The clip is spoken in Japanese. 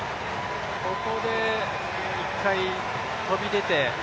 ここで１回、飛び出て。